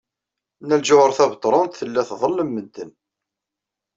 Nna Lǧuheṛ Tabetṛunt tella tḍellem medden.